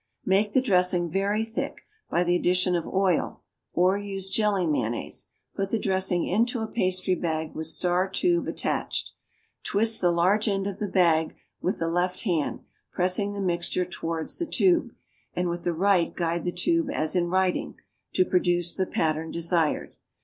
= Make the dressing very thick by the addition of oil, or use "jelly mayonnaise." Put the dressing into a pastry bag with star tube attached; twist the large end of the bag with the left hand, pressing the mixture towards the tube, and with the right guide the tube as in writing, to produce the pattern desired.